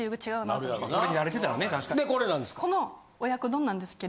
でこれなんですか？